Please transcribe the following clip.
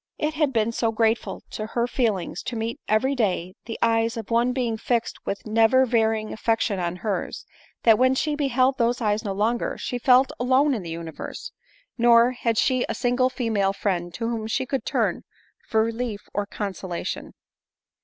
It had been so grateful to her feelings to meet every day the eyes of one being fixed with never varying affection on hers, that, when she beheld those eyes no longer, she felt alone in the universe — nor had she a single female friend to whom she could turn for relief or consolation.